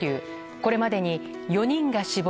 これまでに４人が死亡。